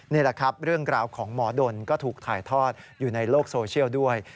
นี่แหละครับเรื่องราวของหมอดนก็ถูกถ่ายทอดอยู่ในโลกโซเชียลด้วย